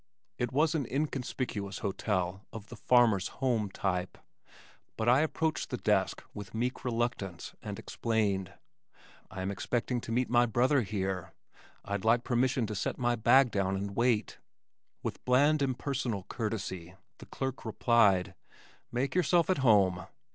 It was an inconspicuous hotel of the "Farmer's Home" type, but I approached the desk with meek reluctance and explained, "I am expecting to meet my brother here. I'd like permission to set my bag down and wait." With bland impersonal courtesy the clerk replied, "Make yourself at home."